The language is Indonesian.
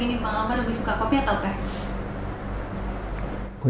misalnya gini bang akbar lebih suka kopi atau teh